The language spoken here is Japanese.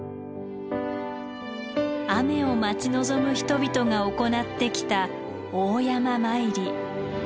雨を待ち望む人々が行ってきた大山詣り。